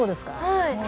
はい。